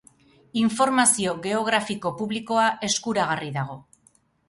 Informazio geografiko publikoa eskuragarri dago.